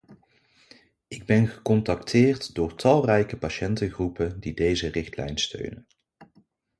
Ik ben gecontacteerd door talrijke patiëntengroepen die deze richtlijn steunen.